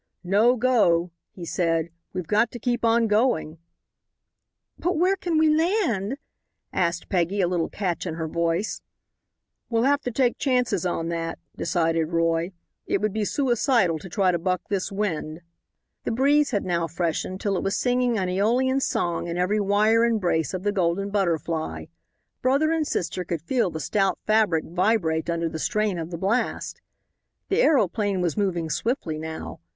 "No go," he said; "we've got to keep on going." "But where can we land?" asked Peggy, a little catch in her voice. "We'll have to take chances on that," decided Roy. "It would be suicidal to try to buck this wind." The breeze had now freshened till it was singing an Aeolian song in every wire and brace of the Golden Butterfly. Brother and sister could feel the stout fabric vibrate under the strain of the blast. The aeroplane was moving swiftly now.